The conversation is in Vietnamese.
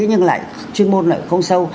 nhưng lại chuyên môn lại không sâu